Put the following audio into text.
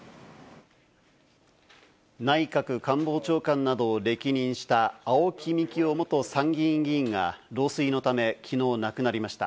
内閣官房長官などを歴任した青木幹雄元参議院議員が老衰のため昨日亡くなりました。